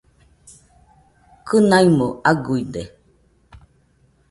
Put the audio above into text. Kɨnaimo aguide